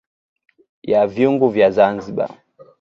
Ya vyungu vya Zanzibar